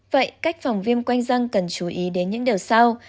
vậy cách phòng viêm quanh răng cần chú ý đến những điều sau